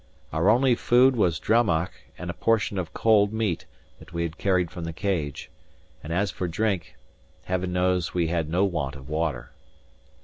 Our only food was drammach and a portion of cold meat that we had carried from the Cage; and as for drink, Heaven knows we had no want of water.